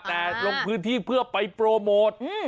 แต่ลงพื้นที่เพื่อไปโปรโมท